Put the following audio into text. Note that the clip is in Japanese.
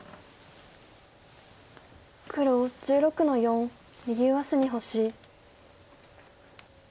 黒１６の四右上隅星。